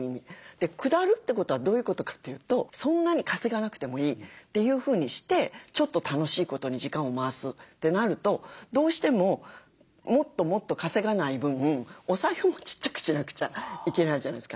下るってことはどういうことかというとそんなに稼がなくてもいいというふうにしてちょっと楽しいことに時間を回すってなるとどうしてももっともっと稼がない分お財布もちっちゃくしなくちゃいけないじゃないですか。